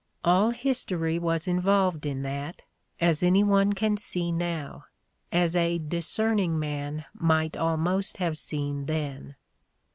All his tory was involved in that, as any one can see now, as a discerning man might almost have seen then.